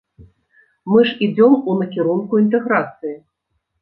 Мы ж ідзём у накірунку інтэграцыі!